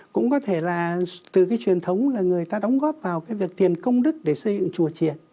cũng có thể là từ cái truyền thống là người ta đóng góp vào cái việc tiền công đức để xây dựng chùa triển